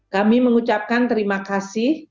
kami mengucapkan terima kasih